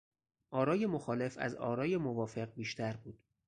آرای مخالف از آرای موافق بیشتر بود.